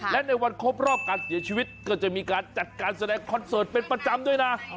และในวันครบรอบการเสียชีวิตก็จะมีการจัดการแสดงคอนเสิร์ตเป็นประจำด้วยนะ